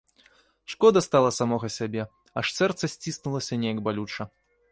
Шкода стала самога сябе, аж сэрца сціснулася неяк балюча.